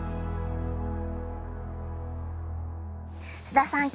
須田さん